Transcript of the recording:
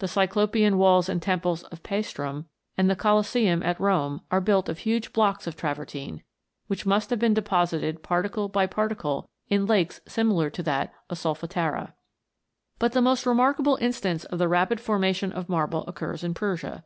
The Cyclopean walls and temples of Paestum, and the Colosseum at Rome, are built of huge blocks of travertine, which must have been deposited particle by particle, in lakes similar to that of the Solfatara. But the most remarkable instance of the rapid formation of marble occurs in Persia.